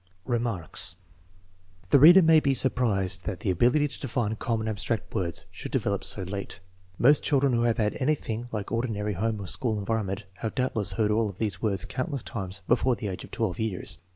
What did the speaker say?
Remarks. The reader may be surprised that the ability to define common abstract words should develop so late. Most children who have had anything like ordinary home or school environment have doubtless heard all of these words countless times before the age of 12 years.